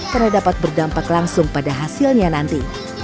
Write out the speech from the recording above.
karena dapat berdampak langsung pada hasilnya nanti